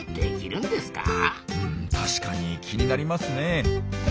うん確かに気になりますねえ。